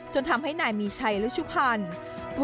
จนทำให้นายมีชัยรุชุพันธรรมนูล